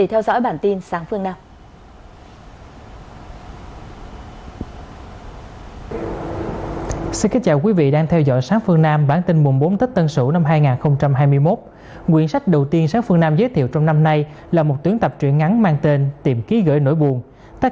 hãy đăng ký kênh để ủng hộ kênh của mình nhé